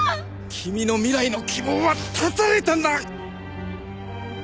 君の未来の希望は絶たれたんだ！